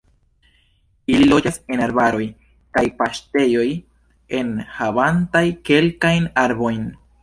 Ili loĝas en arbaroj kaj paŝtejoj enhavantaj kelkajn arbojn.